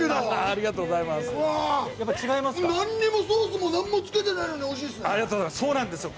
何もソースもつけてないのに、おいしいっすね。